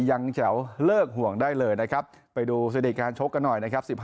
ยังแจ๋วเลิกห่วงได้เลยนะครับไปดูสถิติการชกกันหน่อยนะครับ